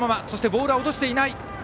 そしてボールは落としていない。